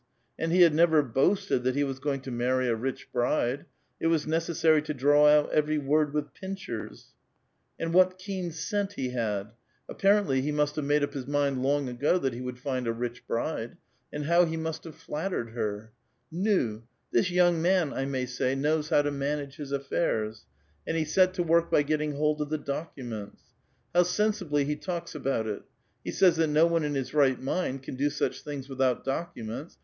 And he had never boasted that he was going to marry a rich bride ; it was necessary to draw out every word with pincers I And 7S A VITAL QUESTION. what keen Rcent he had ! Apparently, he mast have made up Ills mind lon^ :i^o that' he would lind a rich bride; and how lu; nniht have llattered lier. Nu! thisyouug man, I may 8ay, knows how to niunuge his affairs. And lie set to work by gelling hold of llie documents. How seu^bly he talks about it ! he says that no one in his right mind can do such things witliout documents.